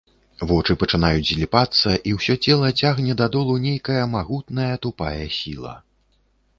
Вочы пачынаюць зліпацца, і ўсё цела цягне да долу нейкая магутная тупая сіла.